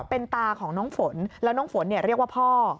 เป็นตาของน้องฝนแล้วน้องฝนเรียกว่าพ่อ